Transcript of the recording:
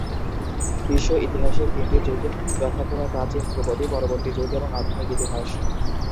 বিশ্ব ইতিহাসের তিনটি যুগ যথাক্রমে প্রাচীন, ধ্রুপদী পরবর্তী যুগ, এবং আধুনিক ইতিহাস।